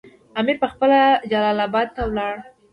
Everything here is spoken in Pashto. امیر پخپله جلال اباد ته ولاړ.